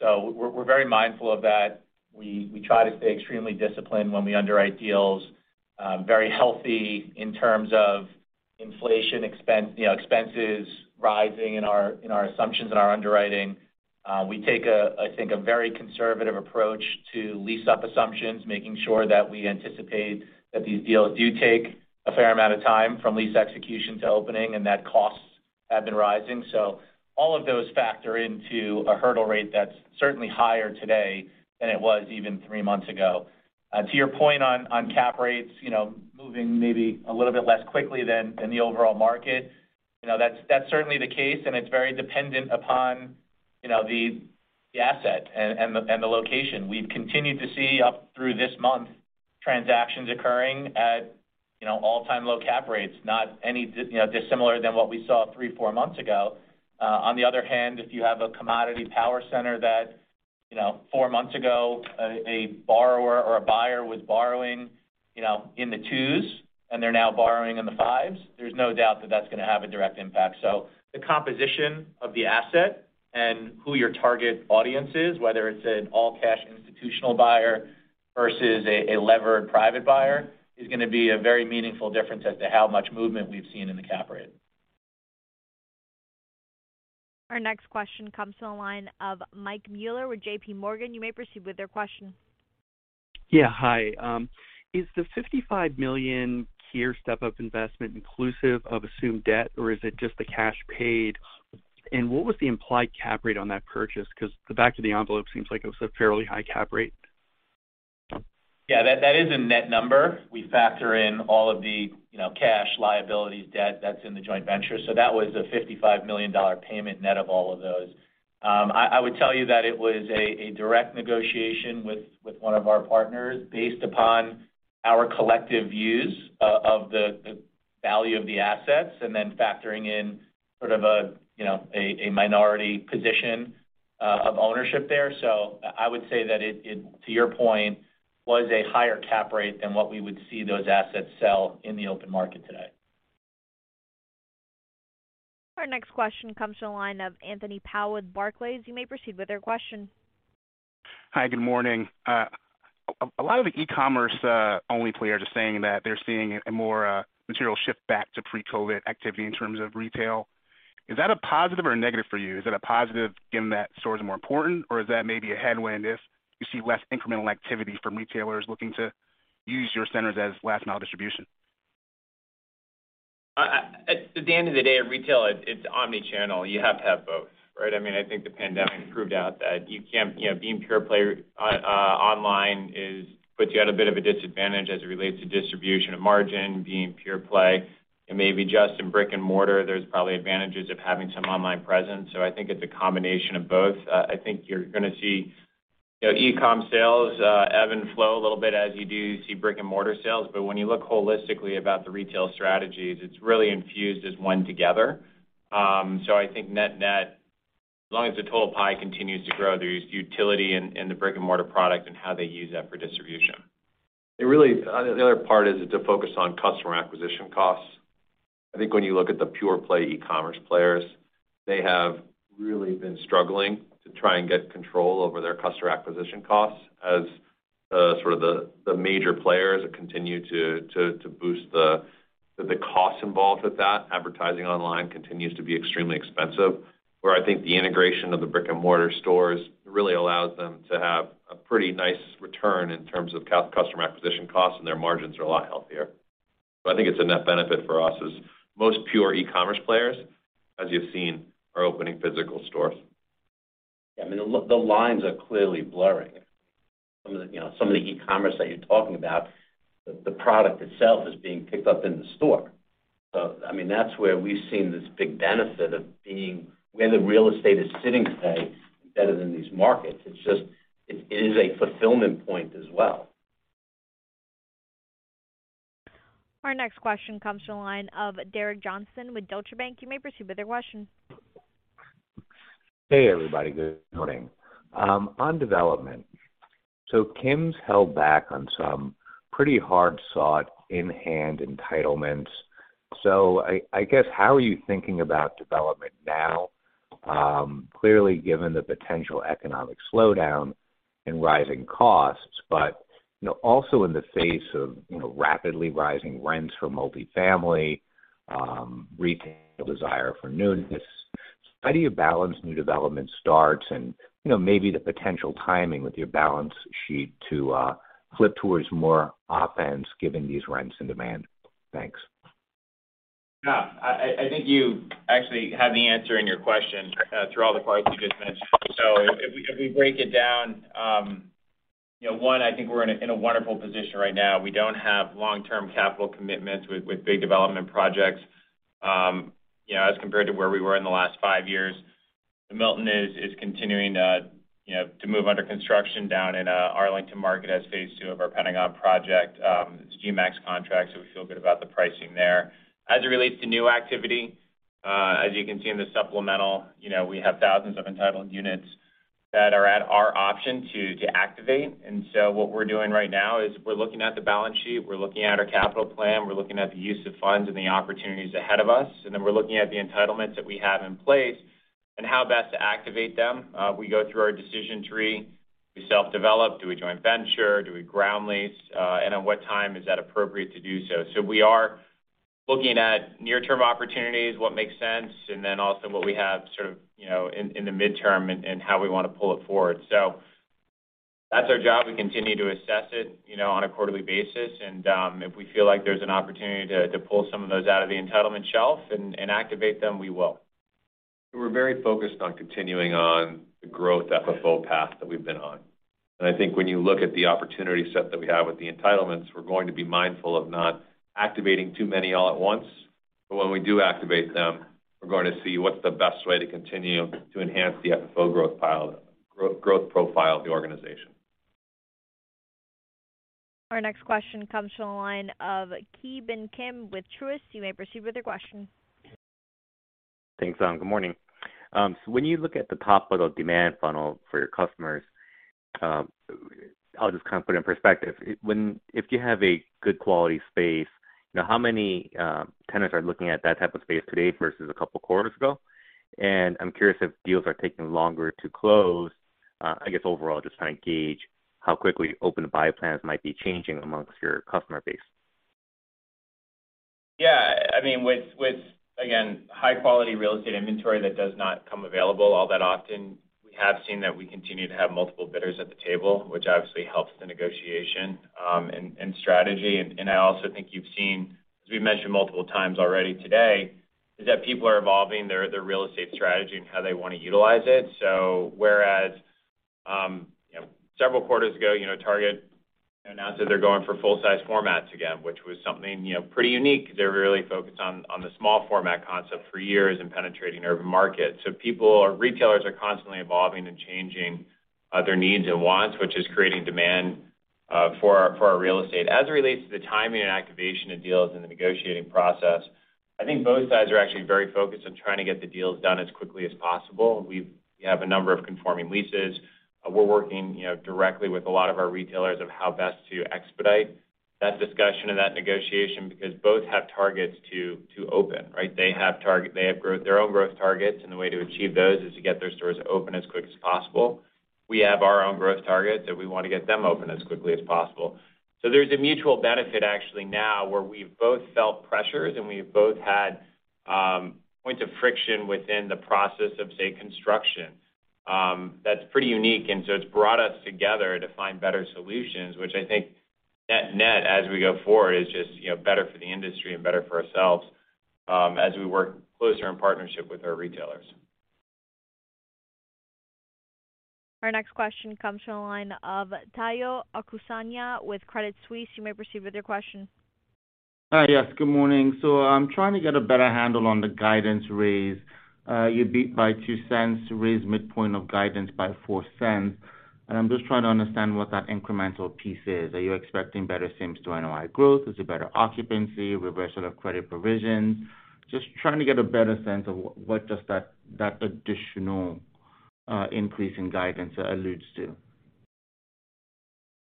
We're very mindful of that. We try to stay extremely disciplined when we underwrite deals, very healthy in terms of inflation expenses rising in our assumptions in our underwriting. We take, I think, a very conservative approach to lease-up assumptions, making sure that we anticipate that these deals do take a fair amount of time from lease execution to opening, and that costs have been rising. All of those factor into a hurdle rate that's certainly higher today than it was even three months ago. To your point on cap rates, you know, moving maybe a little bit less quickly than the overall market, you know, that's certainly the case, and it's very dependent upon, you know, the asset and the location. We've continued to see up through this month, transactions occurring at, you know, all-time low cap rates, not any dissimilar than what we saw three, four months ago. On the other hand, if you have a commodity power center that, you know, four months ago, a borrower or a buyer was borrowing, you know, in the 2s and they're now borrowing in the 5s, there's no doubt that that's gonna have a direct impact. The composition of the asset and who your target audience is, whether it's an all-cash institutional buyer versus a levered private buyer, is gonna be a very meaningful difference as to how much movement we've seen in the cap rate. Our next question comes to the line of Michael Mueller with JPMorgan. You may proceed with your question. Hi. Is the $55 million Kier step-up investment inclusive of assumed debt, or is it just the cash paid? What was the implied cap rate on that purchase 'cause the back of the envelope seems like it was a fairly high cap rate. Yeah, that is a net number. We factor in all of the, you know, cash liabilities debt that's in the joint venture. That was a $55 million payment net of all of those. I would tell you that it was a direct negotiation with one of our partners based upon our collective views of the value of the assets, and then factoring in sort of a, you know, minority position of ownership there. I would say that it, to your point, was a higher cap rate than what we would see those assets sell in the open market today. Our next question comes to the line of Anthony Powell with Barclays. You may proceed with your question. Hi, good morning. A lot of the e-commerce only players are saying that they're seeing a more material shift back to pre-COVID activity in terms of retail. Is that a positive or a negative for you? Is it a positive given that stores are more important, or is that maybe a headwind if you see less incremental activity from retailers looking to use your centers as last mile distribution? At the end of the day in retail, it's omni-channel. You have to have both, right? I mean, I think the pandemic proved out that you know, being pure play online puts you at a bit of a disadvantage as it relates to distribution of margin being pure play. Maybe just in brick-and-mortar, there's probably advantages of having some online presence. I think it's a combination of both. I think you're gonna see, you know, e-com sales ebb and flow a little bit as you do see brick-and-mortar sales. But when you look holistically about the retail strategies, it's really infused as one together. I think net-net, as long as the total pie continues to grow, there's utility in the brick-and-mortar product and how they use that for distribution. The other part is to focus on customer acquisition costs. I think when you look at the pure play e-commerce players, they have really been struggling to try and get control over their customer acquisition costs as sort of the major players continue to boost the costs involved with that. Advertising online continues to be extremely expensive. Where I think the integration of the brick-and-mortar stores really allows them to have a pretty nice return in terms of customer acquisition costs, and their margins are a lot healthier. I think it's a net benefit for us as most pure e-commerce players, as you've seen, are opening physical stores. I mean, the lines are clearly blurring. Some of the, you know, e-commerce that you're talking about, the product itself is being picked up in the store. I mean, that's where we've seen this big benefit of being where the real estate is sitting today better than these markets. It's just, it is a fulfillment point as well. Our next question comes to the line of Derek Johnston with Deutsche Bank. You may proceed with your question. Hey, everybody. Good morning. On development, Kimco's held back on some pretty hard-sought in-hand entitlements. I guess, how are you thinking about development now, clearly given the potential economic slowdown and rising costs, but you know, also in the face of you know, rapidly rising rents for multi-family, retail desire for newness. How do you balance new development starts and you know, maybe the potential timing with your balance sheet to flip towards more offense given these rents and demand? Thanks. Yeah. I think you actually had the answer in your question, through all the parts you just mentioned. If we break it down, you know, one, I think we're in a wonderful position right now. We don't have long-term capital commitments with big development projects, you know, as compared to where we were in the last five years. The Milton is continuing, you know, to move under construction down in Arlington market as phase two of our Pentagon project. It's a GMP contract, so we feel good about the pricing there. As it relates to new activity, as you can see in the supplemental, you know, we have thousands of entitled units that are at our option to activate. What we're doing right now is we're looking at the balance sheet, we're looking at our capital plan, we're looking at the use of funds and the opportunities ahead of us, and then we're looking at the entitlements that we have in place and how best to activate them. We go through our decision tree. Do we self-develop? Do we joint venture? Do we ground lease? And at what time is that appropriate to do so? We are looking at near-term opportunities, what makes sense, and then also what we have sort of, you know, in the midterm and how we wanna pull it forward. That's our job. We continue to assess it, you know, on a quarterly basis. If we feel like there's an opportunity to pull some of those out of the entitlement shelf and activate them, we will. We're very focused on continuing on the growth FFO path that we've been on. I think when you look at the opportunity set that we have with the entitlements, we're going to be mindful of not activating too many all at once. When we do activate them, we're going to see what's the best way to continue to enhance the FFO growth profile of the organization. Our next question comes from the line of Ki Bin Kim with Truist. You may proceed with your question. Thanks. Good morning. When you look at the top of the demand funnel for your customers, I'll just kind of put it in perspective. If you have a good quality space, you know, how many tenants are looking at that type of space today versus a couple quarters ago? I'm curious if deals are taking longer to close. I guess overall, just trying to gauge how quickly open-to-buy plans might be changing among your customer base. Yeah. I mean, with again, high-quality real estate inventory that does not come available all that often, we have seen that we continue to have multiple bidders at the table, which obviously helps the negotiation, and strategy. I also think you've seen, as we mentioned multiple times already today, is that people are evolving their real estate strategy and how they wanna utilize it. Whereas, you know, several quarters ago, you know, Target announced that they're going for full-size formats again, which was something, you know, pretty unique. They were really focused on the small format concept for years and penetrating urban markets. People or retailers are constantly evolving and changing, their needs and wants, which is creating demand, for our real estate. As it relates to the timing and activation of deals in the negotiating process, I think both sides are actually very focused on trying to get the deals done as quickly as possible. We have a number of conforming leases. We're working, you know, directly with a lot of our retailers of how best to expedite that discussion of that negotiation because both have targets to open, right? They have their own growth targets, and the way to achieve those is to get their stores open as quick as possible. We have our own growth targets that we wanna get them open as quickly as possible. There's a mutual benefit actually now where we've both felt pressures, and we've both had points of friction within the process of, say, construction. That's pretty unique, and so it's brought us together to find better solutions, which I think net, as we go forward, is just, you know, better for the industry and better for ourselves, as we work closer in partnership with our retailers. Our next question comes from the line of Tayo Okusanya with Credit Suisse. You may proceed with your question. Hi. Yes, good morning. I'm trying to get a better handle on the guidance raise. You beat by $0.02, raised midpoint of guidance by $0.04, and I'm just trying to understand what that incremental piece is. Are you expecting better same-store NOI growth? Is it better occupancy, reversal of credit provisions? Just trying to get a better sense of what that additional increase in guidance alludes to.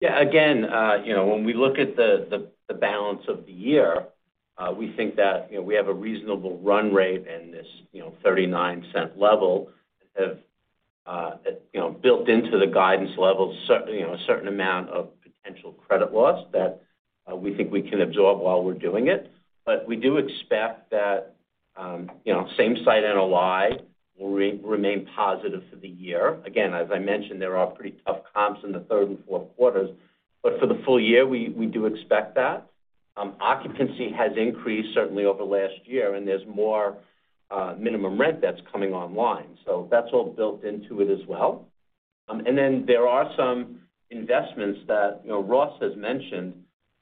Yeah. Again, you know, when we look at the balance of the year, we think that, you know, we have a reasonable run rate in this, you know, $0.39 level of, you know, built into the guidance level, you know, a certain amount of potential credit loss that, we think we can absorb while we're doing it. We do expect that, you know, same-site NOI will remain positive for the year. Again, as I mentioned, there are pretty tough comps in the third and fourth quarters, but for the full year, we do expect that. Occupancy has increased certainly over last year, and there's more minimum rent that's coming online. That's all built into it as well. There are some investments that, you know, Ross has mentioned,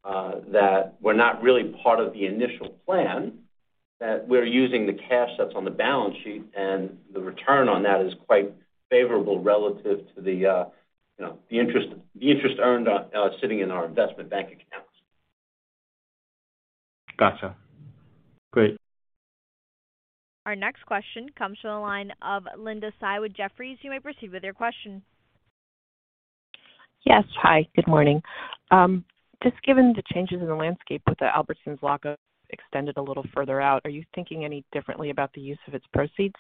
that were not really part of the initial plan, that we're using the cash that's on the balance sheet, and the return on that is quite favorable relative to the, you know, the interest earned sitting in our investment bank accounts. Gotcha. Great. Our next question comes from the line of Linda Tsai with Jefferies. You may proceed with your question. Yes. Hi, good morning. Just given the changes in the landscape with the Albertsons lockup extended a little further out, are you thinking any differently about the use of its proceeds?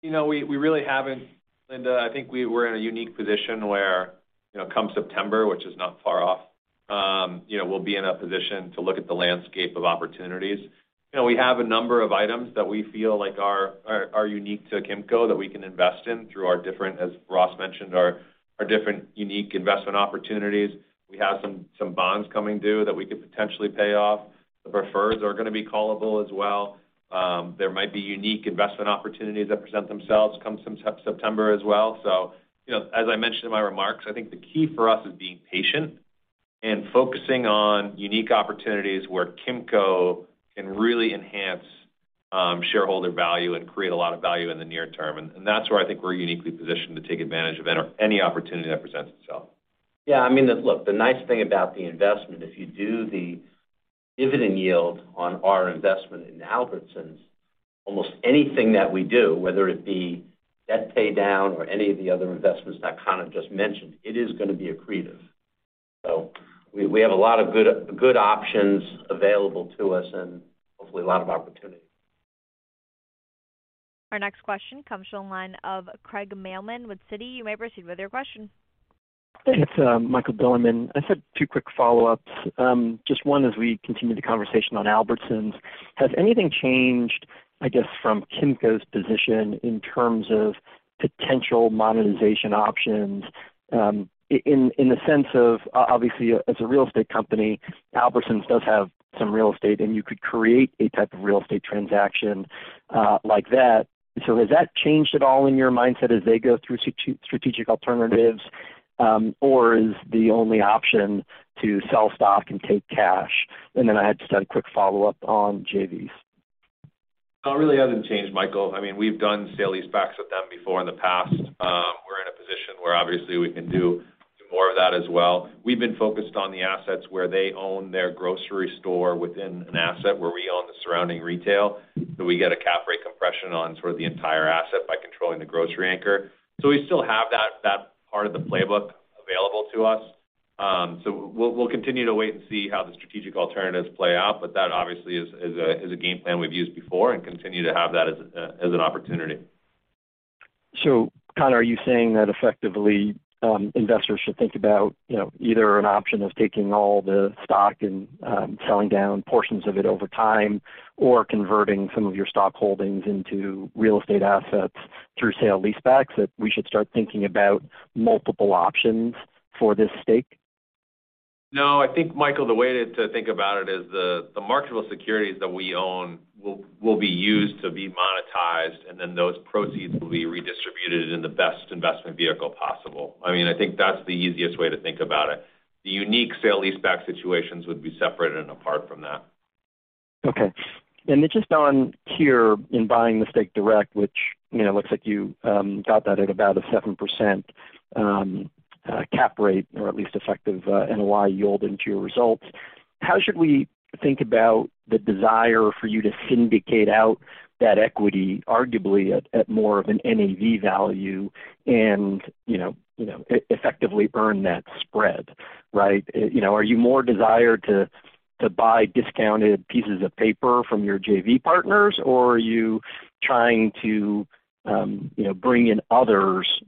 You know, we really haven't, Linda. I think we're in a unique position where, you know, come September, which is not far off, you know, we'll be in a position to look at the landscape of opportunities. You know, we have a number of items that we feel like are unique to Kimco that we can invest in through our different, as Ross mentioned, our different unique investment opportunities. We have some bonds coming due that we could potentially pay off. The preferreds are gonna be callable as well. There might be unique investment opportunities that present themselves come September as well. You know, as I mentioned in my remarks, I think the key for us is being patient and focusing on unique opportunities where Kimco can really enhance shareholder value and create a lot of value in the near term. That's where I think we're uniquely positioned to take advantage of any opportunity that presents itself. Yeah, I mean, look, the nice thing about the investment, if you do the dividend yield on our investment in Albertsons, almost anything that we do, whether it be debt pay down or any of the other investments that Conor just mentioned, it is gonna be accretive. We have a lot of good options available to us and hopefully a lot of opportunity. Our next question comes from the line of Craig Mailman with Citi. You may proceed with your question. It's Michael Bilerman. I just have two quick follow-ups. Just one, as we continue the conversation on Albertsons, has anything changed, I guess, from Kimco's position in terms of potential monetization options, in the sense of obviously as a real estate company, Albertsons does have some real estate, and you could create a type of real estate transaction, like that. Has that changed at all in your mindset as they go through strategic alternatives, or is the only option to sell stock and take cash? I had just a quick follow-up on JVs. No, it really hasn't changed, Michael. I mean, we've done sale-leasebacks with them before in the past. We're in a position where obviously we can do more of that as well. We've been focused on the assets where they own their grocery store within an asset where we own the surrounding retail, so we get a cap rate compression on sort of the entire asset by controlling the grocery anchor. So we still have that part of the playbook available to us. We'll continue to wait and see how the strategic alternatives play out, but that obviously is a game plan we've used before and continue to have that as an opportunity. Conor, are you saying that effectively, investors should think about, you know, either an option of taking all the stock and, selling down portions of it over time or converting some of your stock holdings into real estate assets through sale leasebacks, that we should start thinking about multiple options for this stake? No. I think, Michael, the way to think about it is the marketable securities that we own will be used to be monetized, and then those proceeds will be redistributed in the best investment vehicle possible. I mean, I think that's the easiest way to think about it. The unique sale-leaseback situations would be separated and apart from that. Okay. Then just on Kier in buying the stake direct, which, you know, looks like you got that at about a 7% cap rate or at least effective NOI yield into your results. How should we think about the desire for you to syndicate out that equity arguably at more of an NAV value and, you know, effectively earn that spread, right? You know, are you more desirous to buy discounted pieces of paper from your JV partners, or are you trying to, you know, bring in others,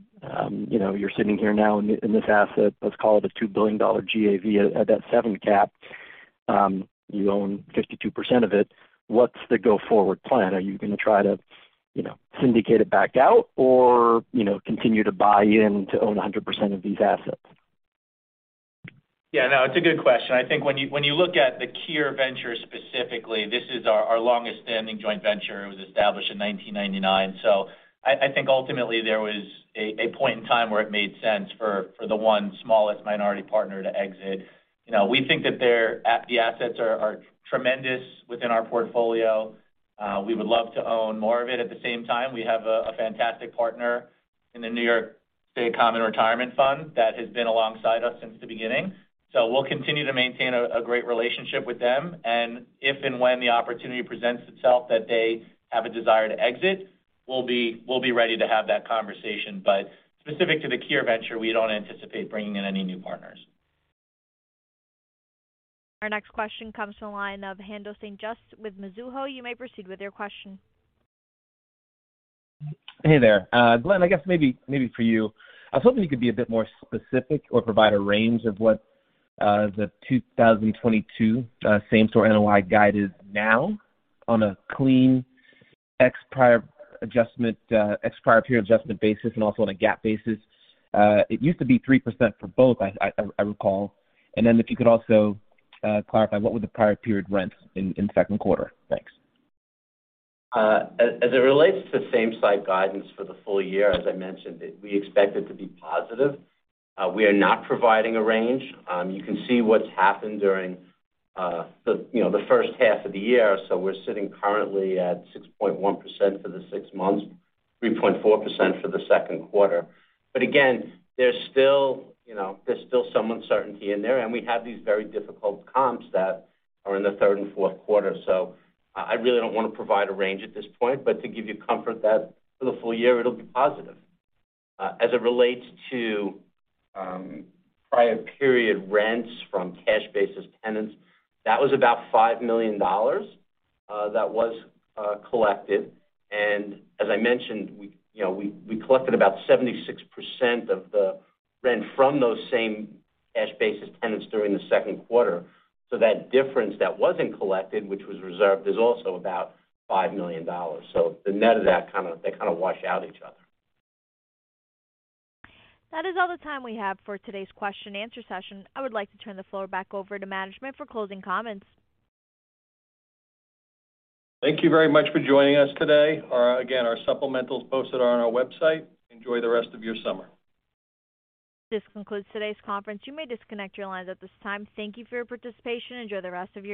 you know, you're sitting here now in this asset, let's call it a $2 billion GAV at that 7% cap, you own 52% of it. What's the go-forward plan? Are you gonna try to, you know, syndicate it back out or, you know, continue to buy in to own 100% of these assets? Yeah, no, it's a good question. I think when you look at the Kier Partnership specifically, this is our longest-standing joint venture. It was established in 1999. I think ultimately there was a point in time where it made sense for the one smallest minority partner to exit. You know, we think that the assets are tremendous within our portfolio. We would love to own more of it. At the same time, we have a fantastic partner in the New York State Common Retirement Fund that has been alongside us since the beginning. We'll continue to maintain a great relationship with them, and if and when the opportunity presents itself that they have a desire to exit, we'll be ready to have that conversation. Specific to the Kier venture, we don't anticipate bringing in any new partners. Our next question comes from the line of Haendel St. Juste with Mizuho. You may proceed with your question. Hey there. Glenn, I guess maybe for you. I was hoping you could be a bit more specific or provide a range of what the 2022 same-site NOI guide is now on a clean ex-prior period adjustment basis and also on a GAAP basis. It used to be 3% for both, I recall. Then if you could also clarify what were the prior period rents in second quarter. Thanks. As it relates to same-site guidance for the full year, as I mentioned, we expect it to be positive. We are not providing a range. You can see what's happened during you know the first half of the year. We're sitting currently at 6.1% for the six months, 3.4% for the second quarter. But again, there's still some uncertainty in there, and we have these very difficult comps that are in the third and fourth quarter. I really don't wanna provide a range at this point, but to give you comfort that for the full year it'll be positive. As it relates to prior period rents from cash-basis tenants, that was about $5 million that was collected. As I mentioned, we, you know, collected about 76% of the rent from those same cash-basis tenants during the second quarter. That difference that wasn't collected, which was reserved, is also about $5 million. The net of that kinda they kinda wash out each other. That is all the time we have for today's question and answer session. I would like to turn the floor back over to management for closing comments. Thank you very much for joining us today. Again, our supplemental is posted on our website. Enjoy the rest of your summer. This concludes today's conference. You may disconnect your lines at this time. Thank you for your participation. Enjoy the rest of your summer.